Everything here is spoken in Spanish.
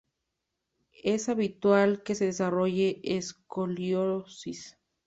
Es habitual que se desarrolle escoliosis.